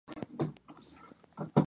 Marjorie está sola.